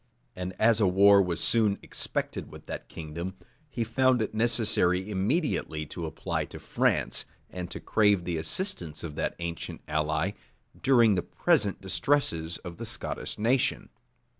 And as a war was soon expected with that kingdom, he found it necessary immediately to apply to France, and to crave the assistance of that ancient ally, during the present distresses of the Scottish nation.